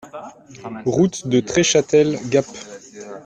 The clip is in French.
Route de Treschâtel, Gap